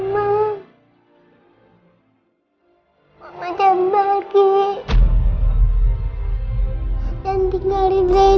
wakubers dan kita lakukan yakgis v approach